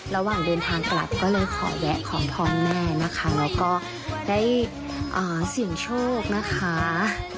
ระหว่างเดินทางกลับก็เลยขอแวะขอพรแม่นะคะแล้วก็ได้เสี่ยงโชคนะคะ